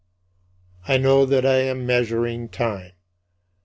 I know that I am measuring time.